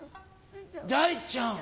「太ちゃん」。